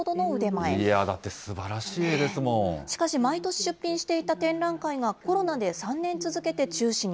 いや、だって、しかし、毎年出品していた展覧会がコロナで３年続けて中止に。